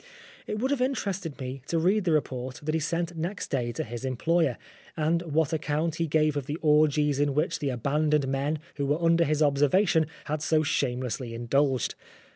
It would have interested me to read the report that he sent next day to his employer, and what account he gave of the orgies in which the abandoned men who were under his observation had so shamelessly indulged.